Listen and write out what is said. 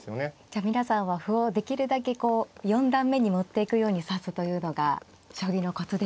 じゃあ皆さんは歩をできるだけ四段目に持っていくように指すというのが将棋のコツでしょうか。